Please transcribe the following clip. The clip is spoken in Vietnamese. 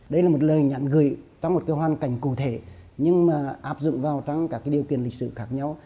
đây là một lời nhắn gửi trong một cái hoàn cảnh cụ thể nhưng mà áp dụng vào trong các điều kiện lịch sử khác nhau